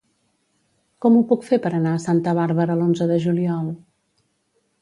Com ho puc fer per anar a Santa Bàrbara l'onze de juliol?